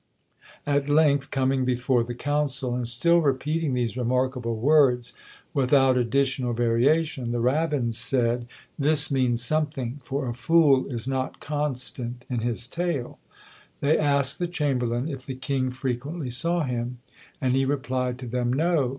At length coming before the council, and still repeating these remarkable words, without addition or variation, the rabbins said, "This means something: for a fool is not constant in his tale!" They asked the chamberlain, if the king frequently saw him? and he replied to them, No!